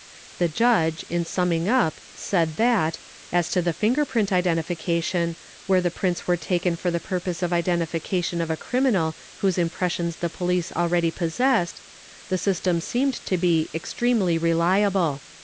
. The Judge in summing up said that, as to the finger print identification, : where the prints were taken for the purpose of identification of a criminal ~ whose impressions the police already possessed, the system seemed to be as extremely reliable.